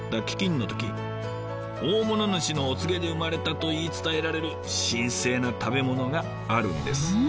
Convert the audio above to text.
飢きんの時大物主のお告げで生まれたと言い伝えられる神聖な食べ物があるんです。